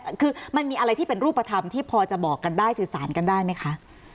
คือมันมีอะไรที่เป็นรูปธรรมที่พอจะบอกกันได้สื่อสารกันได้ไหมคะ